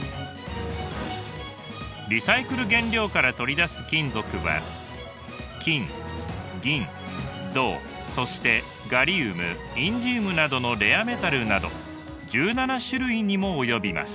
リサイクル原料から取り出す金属は金銀銅そしてガリウムインジウムなどのレアメタルなど１７種類にも及びます。